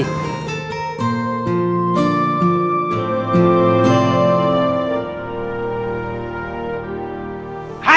jangan lupa untuk berlangganan